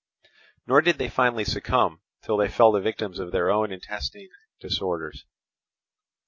Nor did they finally succumb till they fell the victims of their own intestine disorders.